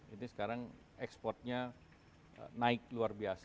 ini sekarang exportnya naik luar biasa